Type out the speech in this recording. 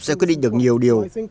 sẽ quyết định được nhiều điều